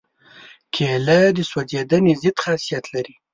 کېله د سوځېدنې ضد خاصیت لري.